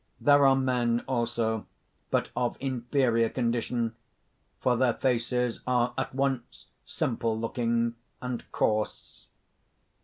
There are men also, but of inferior condition; for their faces are at once simple looking and coarse.